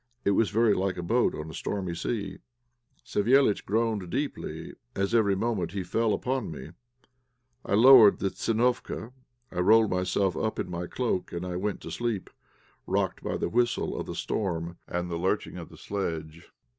It was very like a boat on a stormy sea. Savéliitch groaned deeply as every moment he fell upon me. I lowered the tsinofka, I rolled myself up in my cloak and I went to sleep, rocked by the whistle of the storm and the lurching of the sledge.